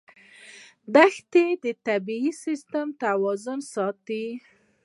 دښتې د طبعي سیسټم توازن ساتي.